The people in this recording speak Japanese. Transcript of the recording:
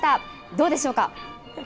どうでしょうか。